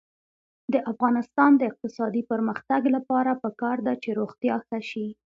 د افغانستان د اقتصادي پرمختګ لپاره پکار ده چې روغتیا ښه شي.